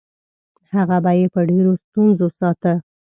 هغه به یې په ډېرو ستونزو ساته.